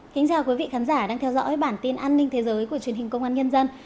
xin chào quý vị khán giả đang theo dõi bản tin an ninh thế giới của truyền hình công an nhân dân